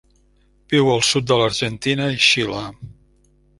Viu al sud de l'Argentina i Xile.